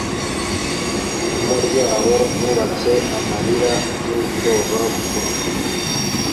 Imva zabo nubatse amarira Nubwoba bukonje